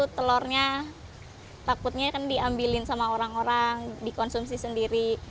telurnya takutnya kan diambilin sama orang orang dikonsumsi sendiri